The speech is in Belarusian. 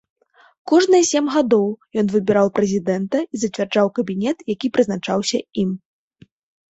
Кожныя сем гадоў ён выбіраў прэзідэнта і зацвярджаў кабінет, які прызначаўся ім.